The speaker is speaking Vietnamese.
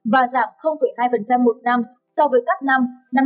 và giảm hai một năm so với các năm hai nghìn một mươi chín và hai nghìn hai mươi